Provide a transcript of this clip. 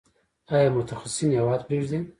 آیا متخصصین هیواد پریږدي؟